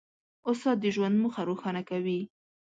استاد د ژوند موخه روښانه کوي.